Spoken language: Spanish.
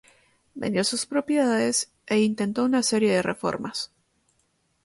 Vendió sus propiedades e intentó una serie de reformas.